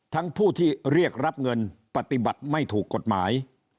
ผู้ที่เรียกรับเงินปฏิบัติไม่ถูกกฎหมาย